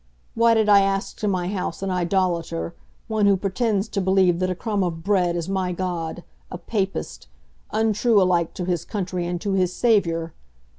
Why did I ask to my house an idolater, one who pretends to believe that a crumb of bread is my God, a Papist, untrue alike to his country and to his Saviour?